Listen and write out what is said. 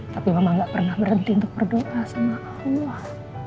tapi mama gak pernah berhenti untuk berdoa sama allah